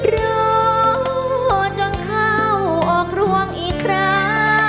รอจนเข้าออกรวงอีกครั้ง